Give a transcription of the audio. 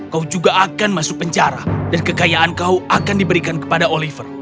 kau juga akan masuk penjara dan kekayaan kau akan diberikan kepada oliver